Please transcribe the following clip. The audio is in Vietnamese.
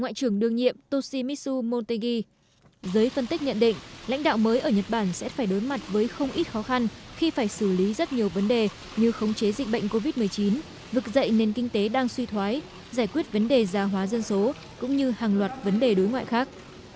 giới phân tích nhận định lãnh đạo mới ở nhật bản sẽ phải đối mặt với không ít khó khăn khi phải xử lý rất nhiều vấn đề như khống chế dịch bệnh covid một mươi chín vực dậy nền kinh tế đang suy thoái giải quyết vấn đề gia hóa dân số cũng như hàng loạt vấn đề đối ngoại khác